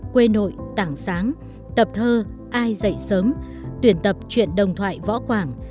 quê nội tảng sáng tập thơ ai dậy sớm tuyển tập chuyện đồng thoại võ quảng